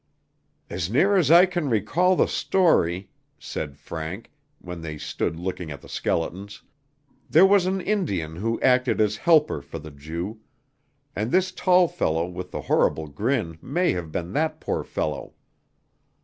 "As near as I can recall the story," said Frank, when they stood looking at the skeletons, "there was an Indian who acted as helper for the Jew, and this tall fellow with the horrible grin may have been that poor fellow.